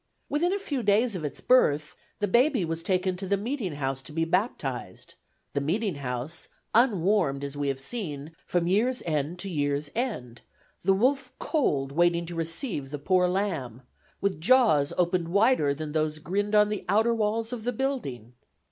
Within a few days of its birth, the baby was taken to the meeting house to be baptized; the meeting house, unwarmed, as we have seen, from year's end to year's end, the wolf Cold waiting to receive the poor lamb, with jaws opened wider than those that grinned on the outer walls of the building.